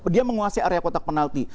dia menguasai area kotak penalti